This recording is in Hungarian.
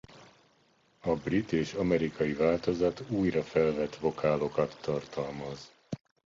A brit és amerikai változat újra felvett vokálokat tartalmaz.